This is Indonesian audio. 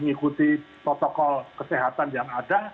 mengikuti protokol kesehatan yang ada